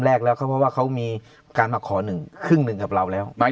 แรกแล้วครับเพราะว่าเขามีการมาขอหนึ่งครึ่งหนึ่งกับเราแล้ว